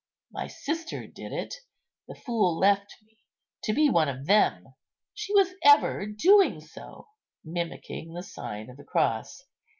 My sister did it; the fool left me to be one of them. She was ever doing so" (mimicking the sign of the cross).